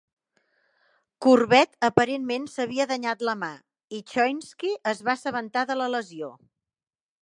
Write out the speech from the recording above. Corbett aparentment s'havia danyat la mà, i Choynski es va assabentar de la lesió.